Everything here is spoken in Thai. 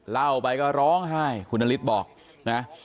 เล่าไปก็ร้องไห้คุณนฤทธิ์บอกนะ